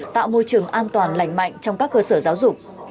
tạo môi trường an toàn lành mạnh trong các cơ sở giáo dục